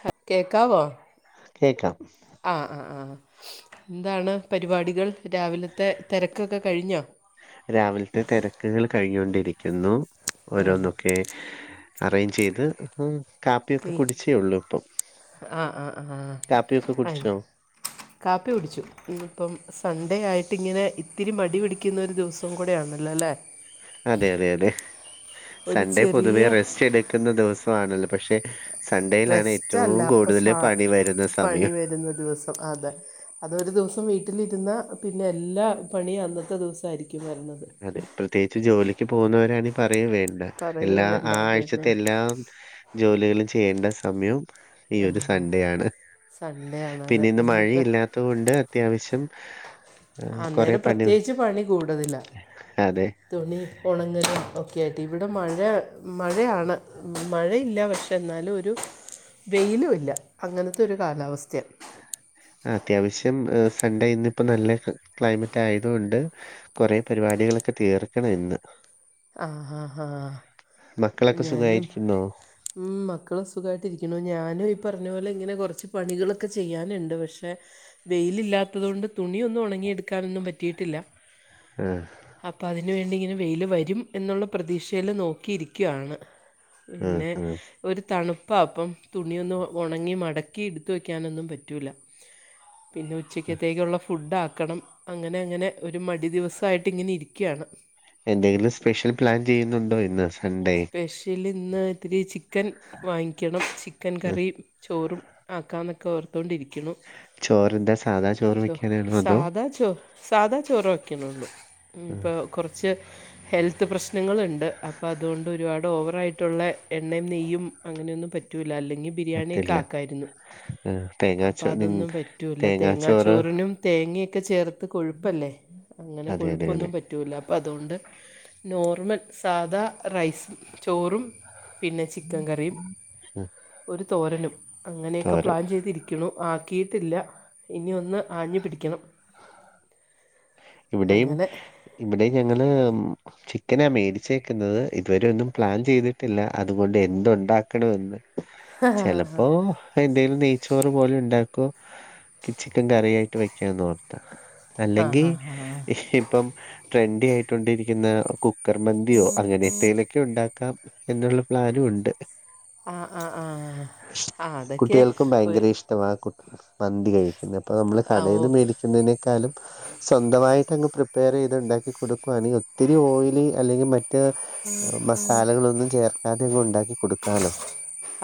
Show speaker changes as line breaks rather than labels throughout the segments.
ഹ കേക്കാവോ
കേക്കാം
ആഹ ആ ആ ന്താണ് പരിപാടികൾ രാവിലത്തെ തെരക്കൊക്കെ കഴിഞ്ഞോ?
രാവില്ത്തെ തെരെക്കുകൾ കഴിഞ്ഞൊണ്ടിരിക്കുന്നു ഓരോന്നൊക്കെ അറേഞ്ചെയ്ത് ഉം കാപ്പിയൊക്കെ
നീ
കുടിച്ചേള്ളൂ ഇപ്പം.
ആ ആ ആ
കാപ്പിയൊക്കെ
ആ
കുടിച്ചോ?
ഇന്ന് കാപ്പി കുടിച്ചു ഇന്ന്പ്പം സൺഡേ ആയിട്ട് ഇങ്ങനെ ഇത്തിരി മടി പിടിക്കുന്നൊരു ദിവ
അതെ അതെ അതെ
ഒരു
സൺഡേ
ചെറിയ
പൊതുവെ റെസ്റ്റ് എട് ക്കുന്ന ദിവസമാണല്ലോ പക്ഷെ സൺഡേയിലാണ്
റെസ്റ്റ് അല്ല
ഏറ്റവും
അപ്പൊ
കൂടുതൽ
സ
പണി വരുന്ന
പണി
സമയം
വരുന്ന ദിവസം അതെ അതൊരു ദിവസം വീട്ടിലിരുന്നാ പിന്നെ എല്ലാ പണിയും അന്നത്തെ ദിവസായിരിക്കും വരണത്.
അതെ പ്രത്യേകിച്ച് ജോലിക്ക് പോകുന്നവരാണ് പറയും വേണ്ട
പറയുകയും
എല്ലാ
വേണ്ട അത് തന്നെ
ആഴ്ചത്തെ എല്ലാം ജോലികളും ചെയ്യേണ്ട സമയം ഈ ഒരു സൺഡേ ആണ്
സൺഡേ ആണത്
പിന്നെ ഇന്ന്
ഇന്നിപ്പോൾ
മഴയില്ലാത്ത കൊണ്ട് അത്യാവശ്യം കൊറെ
അന്നേരം
പണി
പ്രത്യേകിച്ച് പണി കൂടുതലാ.
അതെ
തുണി ഒണങ്ങലും ഒക്കെയായിട്ട് ഇവിടെ മഴ മഴയാണ്. മഴയില്ല പക്ഷെ എന്നാലും ഒരു വെയിലും ഇല്ല അങ്ങനത്തെ ഒരു കാലാവസ്ഥയ.
അത്യാവശ്യം ഹ് സൺഡേ ഇന്ന് ഇപ്പ നല്ല ക്ലൈമറ്റ് ആയത് കൊണ്ട് കൊറേ പരിപാടികളൊക്കെ തീർക്കണം ഇന്ന്
ആ ഹാ ഹാ
മക്കളൊക്കെ
ഞാനും
സുഖമായിരിക്കുന്നോ
ഉം മക്കള് സുഖായിട്ടിരിക്ക്ണു ഞാനും ഈ പറഞ്ഞ പോലെ ഇങ്ങനെ കൊറച്ച് പണികളൊക്കെ ചെയ്യാനുണ്ട് പക്ഷെ വെയിലില്ലാത്തത് കൊണ്ട് തുണിയൊന്നും ഒണങ്ങിയെടുക്കാനൊന്നും പറ്റിയിട്ടില്ല.
ആഹ്
അപ്പൊ അതിനുവേണ്ടി ഇങ്ങനെ വെയില് വരും എന്നുള്ള പ്രതീക്ഷയില് നോക്കിയിരിക്കുവാണ്.
ആഹ്,
പിന്നെ
ആഹ്.
ഒരു തണുപ്പാപ്പം തുണിയൊന്ന് ഒ ഒണങ്ങി മടക്കി ഇട്ത്ത് വയ്ക്കാനൊന്നും പറ്റൂല്ല. പിന്നെ ഉച്ചക്കത്തേക്കുള്ള ഫുഡ് ആക്കണം അങ്ങനെ അങ്ങനെ ഒരു മടി ദിവസായി ട്ട് ഇങ്ങനെ ഇരിക്ക്യാണ്.
എന്തെങ്കിലും സ്പെഷ്യൽ പ്ലാൻ ചെയ്യുന്നുണ്ടോ ഇന്ന് സൺഡേ?
സ്പെഷ്യൽ ഇന്ന് ഇത്തിരി ചിക്കൻ വാങ്ങിക്കണം ചിക്കൻ
ഉം.
കറിയും ചോറും ആക്കാന്നൊക്കെ ഓർത്തോണ്ടിരിക്ക്ണു
ചോറെന്താ സാധാ ചോറ്
ചോ
വെക്കാനാണോ അതോ
സാധാ ചോർ. സാധാ ചോറ് വയ്ക്കണള്ളൂ ഉം ഇപ്പോ കൊറച്ച് ഹെൽത്ത് പ്രശ്നങ്ങള്ണ്ട്. പ്പ അതുകൊണ്ട് ഒരുപാട് ഓവറായിട്ടുള്ളേ എണ്ണേം നെയ്യും അങ്ങനെയൊന്നും പറ്റൂല്ല അല്ലെങ്കിൽ ബിരിയാണിയക്കെ ആക്കായിരുന്നു.
ആ തെ
അപ്പം അതൊന്നും പറ്റൂല്ല തേങ്ങാച്ചോറിനും തേങ്ങയൊക്കെ ചേർത്ത് കൊഴുപ്പല്ലേ. അങ്ങനെ
അതെ അതെ
കൊഴുപ്പൊന്നും
അതെ
പ റ്റൂല അപ്പ അത് കൊണ്ട് നോർമൽ സാദാ റൈസും ചോറും പിന്നെ ചിക്കൻ കറിയും
ഉം,
ഒരു തോരനും അങ്ങനെയക്കെ
തോരൻ
പ്ലാൻ ചെയ്തിരി ക്ക്ണു ആക്കിയിട്ടില്ല ഇനി ഒന്ന് ആഞ്ഞ് പിടിക്കണം.
ഇവിടെയും
അങ്ങനെ
ഇവിടെ ഞങ്ങള് ചിക്കനാ മേടിച്ചേ ക്കുന്നത് ഇതുവരെ ഒന്നും പ്ലാൻ ചെയ്തിട്ടില്ല അതുകൊണ്ട് എന്ത് ഉണ്ടാക്കണൊന്ന് ചെലപ്പോ എന്തേലും നെയ്ച്ചോറ് പോലെ ഉണ്ടാക്കോ ചിക്കൻ കറി ആയിട്ട് വെക്കാന്ന് ഓർത്ത
ആ
അല്ലെങ്കിൽ ഇപ്പം ട്രെൻഡി ആയിക്കൊണ്ടിരിക്കുന്ന കു ക്കർ മന്തിയോ അങ്ങനെത്തേലൊക്കെ ഉണ്ടാക്കാം എന്നുള്ള പ്ലാനും ഉണ്ട്.
ആഹ് ആഹ് ആഹ് ആഹ് അതൊക്കെ ഒ
ഇഷ്ടവാ കു മന്തി കഴിക്കുന്നത് അപ്പൊ നമ്മള്
ആ ഓ
കടേന്ന് മേടിക്കുന്നതിനേക്കാളും സ്വന്തമായിട്ട് അങ്ങ് പ്രിപ്പയർ ചെയ്ത് ഉണ്ടാക്കി കൊടുക്കുവാണെങ്കിൽ ഒത്തിരി ഓയില് അല്ലെങ്കിൽ മ റ്റേ മസാലകളൊന്നും ചേർക്കാതെ അങ്ങ് ഉണ്ടാക്കി കൊടുക്കാലോ.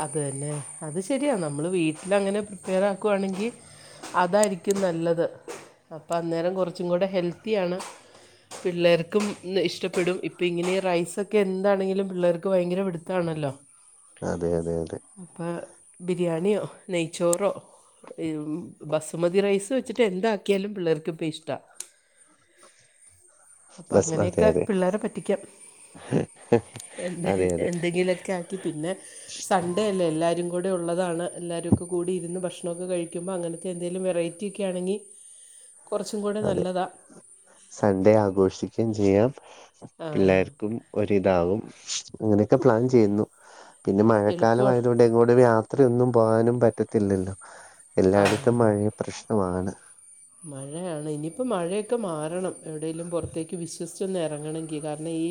അത് തന്നെ. അത് ശരിയാ നമ്മള് വീട്ടിലു അങ്ങനെ പ്രിപ്പയർ ആക്കുവാണെങ്കി അതായിരിക്കും നല്ലത്. അപ്പം അന്നേരം കുറച്ചും കൂടെ ഹെൽത്തിയാണ് പിള്ളേർക്കും ഇഷ്ടപ്പെടും. ഇപ്പം ഇങ്ങനെ റൈസൊക്കെ എന്താണെങ്കിലും പിള്ളേർക്ക് ഭയങ്കര പിടുത്താണല്ലോ.
അതെ അതെ അതെ.
അപ്പൊ ബിരിയാണിയോ നെയ്ച്ചോറോ മ്മ് ബസുമതി റൈസ് വെച്ചിട്ട് എന്താക്കിയാലും പിള്ളേർക്കിപ്പം ഇഷ്ടാ. അപ്പം
ബസ് അതെ
അങ്ങനെയൊക്കെ
അതെ
പിള്ളേരെ പറ്റിക്കാം. എന്ത്
അതെ അതെ
എന്തെങ്കിലൊക്കെ ആക്കി പിന്നെ സ പണ്ടേല്ലേ എല്ലാരും കൂടെ ഉള്ളതാണ് എല്ലാരും ഒക്കെ കൂടി ഇരുന്ന് ഭക്ഷണാക്കെ കഴിക്കുമ്പോൾ അങ്ങനത്തെ എന്തേലിലും വെറൈ റ്റിക്കെ ആണെങ്കി
അതെ സൺഡേ ആഘോഷിക്കുകയും ചെയ്യാം
ആ
പിള്ളേർക്കും ഒരിതാവും. അങ്ങനെയൊക്കെ പ്ലാൻ ചെയ്യുന്നു. പിന്നെ മഴക്കാലം
എളുപ്പമാണ്
ആയതുകൊണ്ട് എങ്ങോട്ടേലും യാത് ത്രയൊന്നും പോകാനും പറ്റത്തില്ലല്ലോ.
ആ
എല്ലായിടത്തും മഴയും പ്രശ്നമാണ്.
മഴയാണ്. ഇനിയിപ്പോ മഴയൊക്കെ മാറണം എവിടേലും പുറത്തേക്ക് വിശ്വസിച്ച് ന്ന് എറങ്ങണെങ്കി. കാരണം ഈ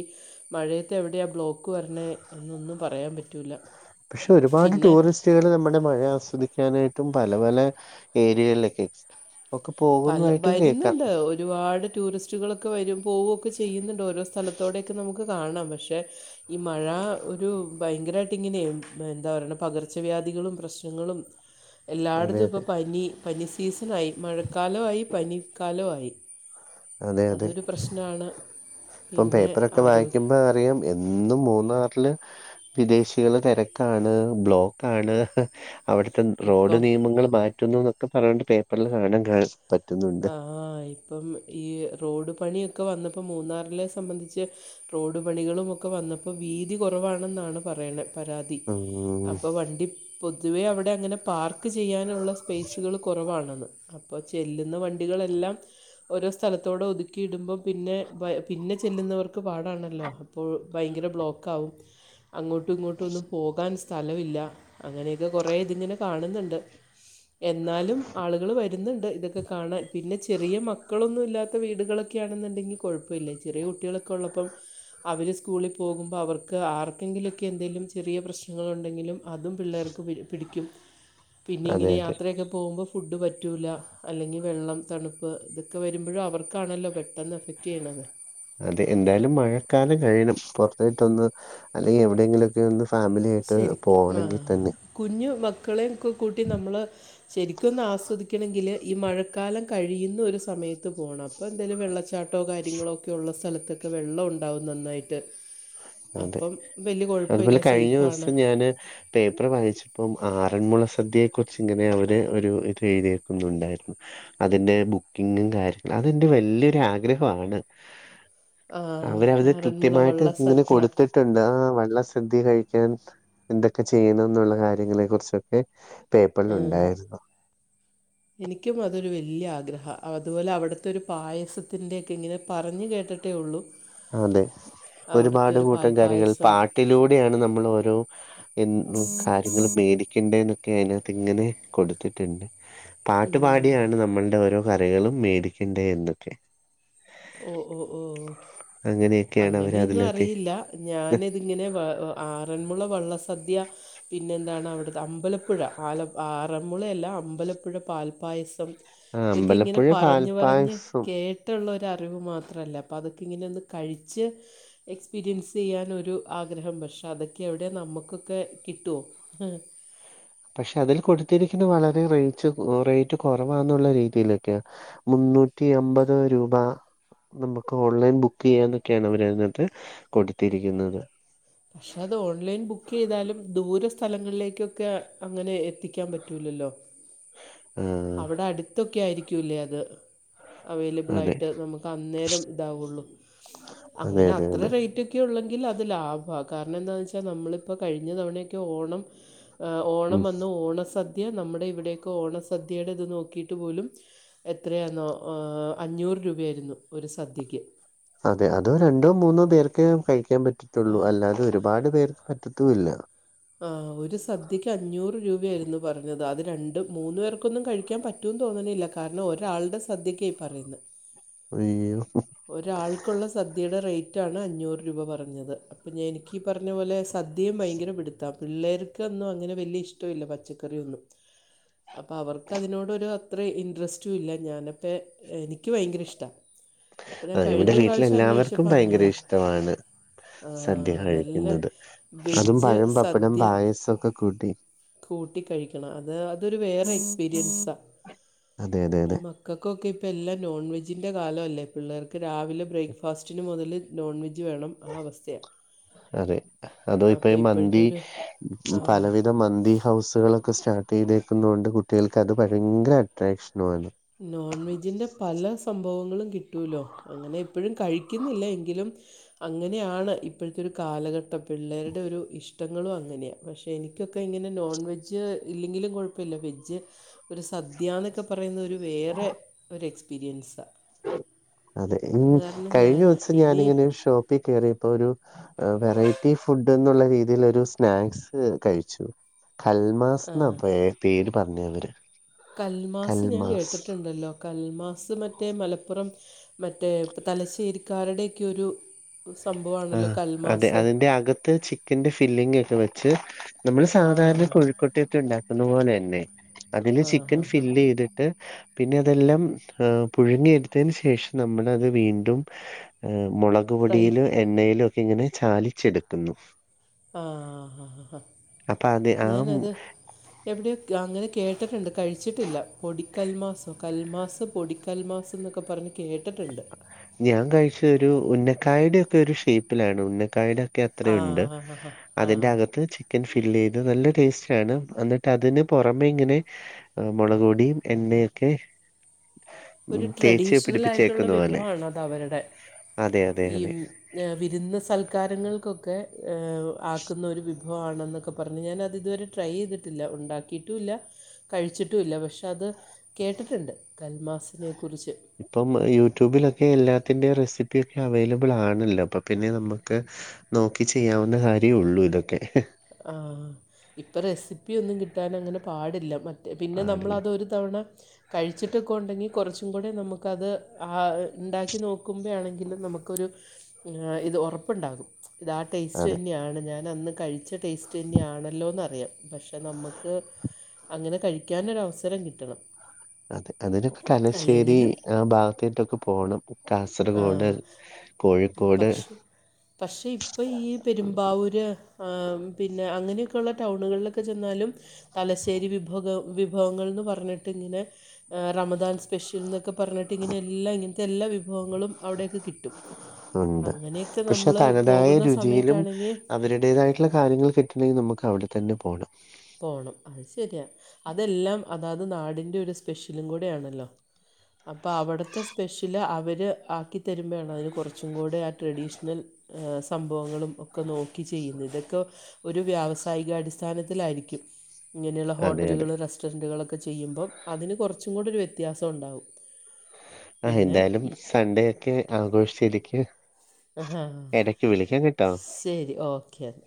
മഴയത്തെവിടെയാ ബ്ലോക്ക് വരണെ എന്നൊന്നും പറയാൻ പറ്റൂല്ല.
പക്ഷെ ഒരുപാട് ടൂറിസ്റ്റുകൾ നമ്മുടെ മഴ ആസ്വദിക്കാനായിട്ടും പല പല ഏരിയകളിലൊക്കെ ഒക്കെ
പല
പോകുന്നതായിട്ടും കേക്കാം.
വരുന്നുണ്ട് ഒരുപാട് ടൂറിസ്റ്റുകളൊക്കെ വരും പോകുകൊക്കെ ചെയ്യുന്നുണ്ട് ഓരോ സ്ഥലത്തോടെയൊക്കെ നമുക്ക് കാണാം. പക്ഷേ ഈ മഴ ഒരു ഭയങ്കരമായിട്ട് ഇങ്ങനെ എന്താ പറയ പകർച്ചവ്യാധികളും പ്രശ്നങ്ങളും.
ഊ.
എല്ലായിടത്തും ഇപ്പോൾ പനി പനി സീസണായി. മഴക്കാലൊ ആയി പനിക്കാലോ ആയി.
അതെ അതെ
അതൊരു പ്രശ്നാണ്.
ഇപ്പം
പിന്നെ
പേപ്പറൊക്കെ
ആരോഗ്യ
വായിക്കുമ്പോ അറിയാം. എന്നും മൂന്നാറില് വിദേശികള് തിരക്കാണ് ബ്ലോ ക്കാണ് അവിടുത്തെ റോഡ്
ഇപ്പം
നിയമങ്ങൾ മാറ്റുന്നു എന്നൊക്കെ പറഞ്ഞിട്ട് പേപ്പറിൽ കാണാൻ കാ പറ്റുന്നുണ്ട്.
ആഹ് ഇപ്പം ഈ റോഡ് പണിയൊക്കെ വന്നപ്പോ മൂന്നാറിലെ സംബന്ധിച്ച് റോഡ് പണികളും ഒക്കെ വന്നപ്പോ വീതി കുറവാണെന്നാണ് പറയണെ. പരാതി.
ഉം
അപ്പോ വണ്ടി പൊതുവേ അവിടെ അങ്ങനെ പാർക്ക് ചെയ്യാനുള്ള സ്പേസുകള് കൊറവാണ്ന്ന്. അപ്പോ ചെല്ലുന്ന വണ്ടികളെല്ലാം. ഓരോ സ്ഥലത്തൂടെ ഒതുക്കിയിടുമ്പം പിന്നെ പിന്നെ ചെല്ലുന്നവർക്ക് പാടാണല്ലോ. അപ്പോൾ ഭയങ്കര ബ്ലോക്ക് ആകും. അങ്ങോട്ടും ഇങ്ങോട്ടും ഒന്നും പോകാൻ സ്ഥലവില്ല. അങ്ങനെയൊക്കെ കുറെ ഇതിങ്ങനെ കാണുന്നുണ്ട്. എന്നാലും ആളുകള് വരുന്നുണ്ട് ഇതൊക്കെ കാണാൻ പിന്നെ ചെറിയ മക്കളൊന്നും ഇല്ലാത്ത വീടുകളൊക്കെയാണെന്നുണ്ടെങ്കിൽ കുഴപ്പമില്ല. ചെറിയ കുട്ടികളൊക്കെ ഉള്ളപ്പം അവര് സ്കൂളിൽ പോകുമ്പോൾ അവർക്ക് ആർക്കെങ്കിലുമൊക്കെ എന്തേലും ചെറിയ പ്രശ്നങ്ങൾ ഉണ്ടെങ്കിലും അതും പിള്ളേർക്ക് പിടിക്കും. പിന്നെ
അതെ
ഇങ്ങനെ
അതെ
യാത്രയൊക്കെ പോകുമ്പോൾ ഫുഡ് പറ്റൂല്ല. അല്ലെങ്കിൽ വെള്ളം തണുപ്പ് ഇതൊക്കെ വരുമ്പോഴും അവർക്കാണല്ലോ പെട്ടെന്ന് എഫക്റ്റ് ചെയ്യണത്.
അതെ. എന്തായാലും മഴക്കാലം കഴിയണം പുറത്തേട്ടൊന്ന് അല്ലെങ്കിൽ എവിടെയെങ്കിലും ഒന്ന് ഫാമിലി ആയിട്ട്
ശരിക്കും ആ
പോകണെങ്കി തന്നെയും.
കുഞ്ഞു മക്കളെയും ഒക്കെ കൂട്ടി നമ്മൾ ശരിക്കുമൊന്ന് ആസ്വദിക്കണമെങ്കില് ഈ മഴക്കാലം കഴിയുന്ന ഒരു സമയത്ത് പോണം അപ്പോ എന്തേലും വെള്ളച്ചാട്ടോ കാര്യങ്ങളൊക്കെ ഒള്ള സ്ഥലത്ത് ക്കെ വെള്ളം ഒണ്ടാവും നന്നായിട്ട്.
ആ.
അപ്പം വെല്യ കൊഴപ്പയില്ലാ സേഫ്
സം ഞാന് പേപ്പറ് വായിച്ചപ്പം ആറന്മുള സദ്യയെക്കുറിച്ച് ഇങ്ങനെ അവര് ഒരു ഇത് എഴുതിയേക്കുന്നുണ്ടായിരുന്നു. അതിന്റെ ബുക്കിങ്ങും കാര്യങ്ങളും അതെന്റെ വല്യൊരു ആഗ്രഹവാണ്.
ആ
അവരത്
ആറന്മുള
കൃത്യമായിട്ട്
വള്ള
ഇങ്ങനെ
സദ്യ
കൊടുത്തിട്ടുണ്ട് ആഹ് വള്ള സദ്യ കഴിക്കാൻ. എന്തൊക്കെ ചെയ്യണന്നുള്ള കാര്യങ്ങളെ കുറിച്ചൊക്കെ
ആ,
പേപ്പറിലൊണ്ടായിരുന്നു.
എനിക്കും അതൊരു വെല്യ ആഗ്രഹാ അതുപോലെ അവിടുത്തെ ഒരു പായസത്തിൻ്റെയെക്കെ ഇങ്ങനെ പറഞ്ഞ് കേട്ടിട്ട് ട്ടേ ഒള്ളൂ
ആഹ് അതെ ഒരുപാട് കൂട്ടം കറികൾ
പാൽപ്പായസം
പാട്ടിലൂടെയാണ് നമ്മൾ ഓരോ എൻ ഉം കാര്യങ്ങള് മേടി ക്കെണ്ടേന്നൊക്കെ അതിനാത്ത് ഇങ്ങനെ കൊടുത്തിട്ടുണ്ട്
ഉം,
പാട്ടുപാടിയാണ് നമ്മൾടെ ഓരോ കറികളും മേടിക്കണ്ടേ എന്നൊക്കെ
ഓഹ് ഓഹ് ഓഹ്
അങ്ങനെയൊക്കെയാണ് അവര്
അങ്ങനെയൊന്നും
അതിലെത്തി
അറിയില്ലാ ഞാനിതിങ്ങനെ വ ആഹ് ആറന്മുള വള്ളസദ്യാ പിന്നെ എന്താണ് അവിടത്തെ അമ്പലപ്പുഴ ആല ആറന്മുളയല്ല അമ്പലപ്പുഴ പാൽപ്പായസം
ആ
ഇതൊക്കെ ഇങ്ങനെ
അമ്പലപ്പുഴ
പറഞ്ഞ് പറഞ്ഞ്
പാൽപ്പായസം
കേട്ട്ള്ള ഒ അറിവ് മാത്രല്ലേ അപ്പോ അതൊക്കെ ഇങ്ങനെ ഒന്ന് കഴിച്ച് എക്സ്പീരിയൻസ് ചെയ്യാന് ഒരു ആഗ്രഹം പക്ഷേ അതൊക്കെ എവിടെ നമുക്കൊക്കെ കിട്ടുവോ ആഹ്
പക്ഷെ അതില് കൊടുത്തിരിക്കുന്നെ വളരെ റേയിച്ച് റേയിറ്റ് കൊറവാന്നുള്ള രീതിയിലൊക്കെയാ മുന്നൂറ്റി അമ്പത് രൂപാ നമുക്ക് ഓൺലൈൻ ബുക്ക് ചെയ്യാന്നൊക്കെയാണ് അവരതിനാത്ത് കൊടുത്തിരിക്കുന്നത്
പക്ഷെ അത് ഓൺലൈൻ ബുക്ക് ചെയ്താലും ദൂരെ സ്ഥലങ്ങളിലേക്കൊക്കെ അങ്ങനെ എത്തിക്കാൻ പറ്റൂലല്ലോ
ആ
അവിടെ അടുത്തൊക്കെ ആയിരിക്കൂല്ലേ അത് അവൈലബിൾ
അതെ
ആയിട്ട് നമുക്ക് അന്നേരം ഇതാവുള്ളൂ
അതെ
അങ്ങനെ
അതെ
അത്ര
അതെ
റേയിറ്റ് ക്കെയെ ഒള്ളെങ്കി അത് ലാഭാ കാരണം എന്താന്ന് വെച്ചാ നമ്മളിപ്പോ കഴിഞ്ഞ തവണയൊക്കെ ഓണം ആഹ് ഓണം
ഉം
വന്നു ഓണസദ്യ നമ്മടെ ഇവിടെയൊക്കെ ഓണസദ്യയുടെ ഇത് നോക്കിട്ട് പോലും എത്രയാന്നോ ഏഹ് അഞ്ഞൂറ് രൂപയായിരുന്നു ഒരു സദ്യക്ക്
അതെ അതോ രണ്ടോ മൂന്നോ പേർക്കെ കഴിക്കാൻ
ആ
പറ്റത്തുള്ളൂ അല്ലാതെ ഒരുപാട് പേർക്ക് പറ്റത്തൂല്ലാ
ആഹ് ഒരു സദ്യക്ക് അഞ്ഞൂറ് രൂപ ആയിരുന്നു പറഞ്ഞത് അത് രണ്ട് മൂന്ന് പേർക്കൊന്നും കഴിക്കാൻ പറ്റ് ഏത്തും തോന്നണില്ലാ കാരണം ഒരാളുടെ സദ്യക്കായി പറയണെ
ഇയ്യോ
ഒരാൾക്കുള്ള സദ്യേടെ റേറ്റാണ് അഞ്ഞൂറ് രൂപ പറഞ്ഞത് അപ്പോ ഞാ എനിക്കീ പറഞ്ഞ പോലെ സദ്യയും ഭയങ്കര പിടുത്താ പിള്ളേർക്കൊന്നും അങ്ങനെ വെല്യ ഇഷ്ട്ടയില്ലാ പച്ചക്കറിയൊന്നും അപ്പ അവർക്ക് അതിനോടൊരു അത്ര ഇൻട്രസ്റ്റും ഇല്ലാ ഞാനപ്പെ എനിക്ക് ഭയങ്കര ഇഷ്ട്ടാ
ആഹ് ഇവിടെ വീട്ടിലെല്ലാവർക്കും
അന്വേഷിച്ചപ്പോൾ
ഭയങ്കര
അഞ്ഞൂറ്
ഇഷ്ട്ടവാണ് സദ്യ
നല്ല
കഴിക്കുന്നത് അതും
വെജ്
പഴം പപ്പടം
സദ്യ
പായസൊക്കെ കൂട്ടി
കൂട്ടി കഴിക്കണം അത് അതൊരു വേറെ എക്സ്പീരിയൻസാ
അതെ അതെ
ഈ
അതെ
മക് ക്കക്കൊക്കെ ഇപ്പോ എല്ലാം നോൺ വെജിൻ്റെ കാലവല്ലേ പിള്ളേർക്ക് രാവിലെ ബ്രേക്ക്ഫാസ്റ്റിന് മുതല് നോൺവെജ് വേണം ആ അവസ്ഥയാ
അതെ അതാ ഇപ്പഴ്
ഇപ്പോഴത്തെ
മന്തി
ഒരു ആ
പലവിധം മന്തി ഹൗസുകളൊക്കെ സ്റ്റാർട്ട് ചെയ്തേക്കുന്നെ കൊണ്ട് കുട്ടികൾക്ക് അത് ഭയങ്കര അട്രാക്ഷനുവാണ്
നോൺ വെജിന്റെ പല സംഭവങ്ങളും കിട്ടോലോ അങ്ങനെ എപ്പഴും കഴിക്കുന്നില്ല എങ്കിലും അങ്ങനെയാണ് ഇപ്പഴത്തെ ഒരു കാലഘട്ടം പിള്ളേരുടെ ഒരു ഇഷ്ടങ്ങളും അങ്ങനെയാ പക്ഷെ എനിക്കൊക്കെ ഇങ്ങനെ നോൺ വെജ് ഇല്ലെങ്കിലും കുഴപ്പല്ല വെജ് ഒരു സദ്യ എന്നൊക്കെ പറയുന്ന ഒരു വേറെ ഒരു എക്സ്പീരിയൻസ
അതെ ഉം കഴിഞ്ഞ
ഞാൻ
ദിവസം
ഇനി
ഞാനിങ്ങനെ ഒരു ഷോപ്പിൽ കയറിയപ്പോ ഒരു ഏഹ് വെറൈറ്റി ഫുഡ് എന്നുള്ള രീതിൽ ഒരു സ്നാക്സ് കഴിച്ചു കൽ
ആ
[unintelligible] പേര് പറഞ്ഞെ അവര്
കൽമാസ് ഞാൻ കേട്ടിട്ടുണ്ടല്ലോ കൽമാസ് മറ്റേ മലപ്പുറം മറ്റേ തലശ്ശേരിക്കാരുടെക്കെ ഒരു സംഭവാ
ആഹ് അതെ അതിന്റെ അകത്ത് ചി ക്കന്റെ ഫില്ലിംഗ് ഒക്കെ വെച്ച് നമ്മള്
ആ
സാധാരണ കോഴക്കട്ടക്കെ ഉണ്ടാക്കുന്ന പോലെന്നെ അതില്
ആ ഹാ
ചിക്കൻ
ഹാ
ഫില്ല് ചെയ്തിട്ട് പിന്നെ അതെല്ലാം പുഴുങ്ങിയ എടുത്തതിന് ശേഷം നമ്മളത് വീണ്ടും ഏഹ് മുളക്
ഫ്രൈ
പൊടിയിലോ എണ്ണയിലോ ഒക്കെ ഇങ്ങനെ ചാലിച്ചെടുക്കുന്നു
ആഹ് ഹാഹ് ഹാഹ് ഹാ
അപ്പൊ അത് ആ മ്
ഞാനത് എവിടെയ അങ്ങനെ കേട്ടിട്ടുണ്ട് കഴിച്ചിട്ടില്ല പൊടിക്കൽ മാസൊ കൽമാസ് പൊടിക്കൽമാസ് എന്നൊക്കെ പറഞ്ഞ് കേട്ടിട്ടുണ്ട്
ഞാൻ കഴിച്ച ഒരു ഉന്നക്കായടെ ഒക്കെ ഒരു ഷേപ്പിലാണ് ഉന്നക്കായടെ ക്കെ
ആ
അത്രുണ്ട്
ഹാ ഹാ ഹാ ആ
അതിന്റെകത്ത് ചി ക്കൻ ഫിൽ ചെയ്ത് നല്ല ടേസ്റ്റാണ് എന്നിട്ട് അതിന് പുറമെ ഇങ്ങനെ ആഹ് മുളക് പൊടിയും എണ്ണയൊക്കെ ഉം
ഒരു
തേച്ച്
ട്രഡീഷണൽ ആയിട്ടുള്ള
പിടിപ്പിച്ചേക്കുന്ന പോലെ
വിഭവാണത് അവരുടെ
അതെ അതെ
ഈ
അതെ
വിരുന്ന് സൽക്കാരങ്ങൾക്കൊക്കെ ക്കെ ഏഹ് ആക്കുന്ന ഒരു വി വിഭവാണെന്നൊക്കെ പറഞ്ഞ് ഞാനത് ഇതുവരെ ട്രൈ ചെയ്തിട്ടില്ല ഉണ്ടാക്കിയിട്ടുല്ല കഴിച്ചിട്ടുല്ല പക്ഷെ അത് കേട്ടിട്ടുണ്ട് കൽമാസിനെക്കുറിച്ച്
ഇപ്പം യൂട്യൂബിലൊക്കെ എല്ലാത്തിന്റെയും റെസിപ്പിയൊക്കെ അവൈലബിൾ ആണല്ലോ അപ്പൊ പിന്നെ നമ്മക്ക് നോക്കി ചെയ്യാവുന്ന കാര്യ ഉള്ളൂ ഇതൊക്കെ
ആഹ് ഇപ്പൊ റെസിപ്പി ഒന്നും കിട്ടാൻ അങ്ങനെ പാടില്ല മറ്റേ പിന്നെ
പാടില്ല
നമ്മളതൊരു തവണ കഴിച്ചിട്ടൊക്കെ ഉണ്ടെങ്കി കൊറച്ചും കൂടെ നമുക്കത് ആഹ് ഉണ്ടാക്കി നോക്കുമ്പഴാണെങ്കിലും നമുക്കൊരു ഇത് ഒറപ്പുണ്ടാകും ഇത് ആ ടേസ്റ്റ്
അതെ
തന്നെയാണ് ഞാൻ അന്ന് കഴി ച്ച ടേസ്റ്റ് തന്നെയാണല്ലോന്ന് അറിയാം പക്ഷെ നമുക്ക് അങ്ങനെ കഴിക്കാനൊരവസരം കിട്ടണം
അതെ അതൊരു തലശ്ശേരി
അല്ലെങ്കിൽ
ആ ഭാഗത്തേട്ടൊക്കെ പോണം കാസർഗോഡ്, കോഴിക്കോട്
പക്ഷേ പക്ഷേ ഇപ്പ ഈ പെരുമ്പാവൂര് ആഹ് പിന്നെ അങ്ങനെയൊക്കെയുള്ള ടൗണുകളിലൊക്കെ ചെന്നാലും തലശ്ശേരി വിഭവ വിഭവങ്ങൾന്ന് പറഞ്ഞിട്ട് ഇങ്ങനെ റമദാൻ സ്പെഷ്യൽ എന്നൊക്കെ പറഞ്ഞിട്ട് ഇങ്ങനെ എല്ലാ ഇങ്ങനത്തെ എല്ലാ വിഭവങ്ങളും അവിടെയൊക്കെ കിട്ടും
ഉണ്ട്
അങ്ങനെയൊക്കെ
പക്ഷെ
നമ്മൾ
തനതായ
പോകുന്ന
രുചിയിലും
സമയത്താണെങ്കിൽ
അവരുടേതായിട്ടുള്ള കാര്യങ്ങൾ കിട്ടണങ്കിൽ നമുക്ക് അവിടെ തന്നെ പോണം
പോണം അത് ശരിയാ അതെല്ലാം അതാത് നാടിന്റെ ഒരു സ്പെഷ്യലും കൂടെ ആണല്ലോ. അപ്പൊ അവിടുത്തെ സ്പെഷ്യല് അവര് ആക്കി തരുമ്പഴാണ് അതിന് കുറച്ചും കൂടെ ട്രഡീഷണൽ സംഭവങ്ങളും ഒക്കെ നോക്കി ചെയ്യുന്ന് ഇതൊക്കെ ഒരു വ്യാവസായിക അടിസ്ഥാനത്തിലായിരിക്കും ഇങ്ങനെയുള്ള
അതെ അതെ
ഹോട്ടലുകൾറെസ് ന്റുകളൊക്കെ ചെയ്യുമ്പോൾ അതിന് കൊറച്ചും കൂട ഒരുവ്യത്യാസം ഉണ്ടാവും.
എഹ്
പിന്നെ
എന്തായാലും
ഈ-
സൺഡേ ഒക്കെ ആഘോഷിച്ചിരിക്കും.
ആഹ്.
വിളിക്കാം കേട്ടോ-
ശരി ഓക്കെ എന്ന.